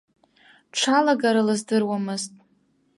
Дшалагара лыздыруамызт.